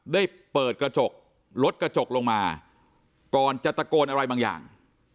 ได้เปิดกระจกรถกระจกลงมาก่อนจะตะโกนอะไรบางอย่าง